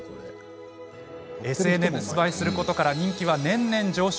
ＳＮＳ映えすることから人気は年々上昇。